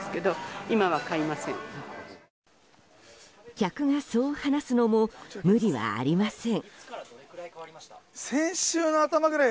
客がそう話すのも無理はありません。